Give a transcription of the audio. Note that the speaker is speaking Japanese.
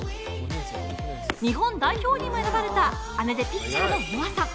日本代表にも選ばれた姉でピッチャーの乃愛さん。